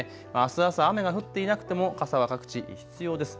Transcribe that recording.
あす朝、雨が降っていなくても傘は各地、必要です。